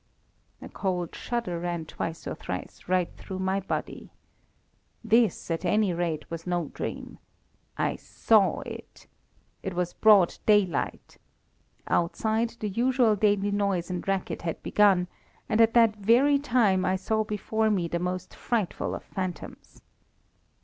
A cold shudder ran twice or thrice right down my body. This, at any rate, was no dream. I saw it. It was broad daylight. Outside, the usual daily noise and racket had begun, and at that very time I saw before me the most frightful of phantoms.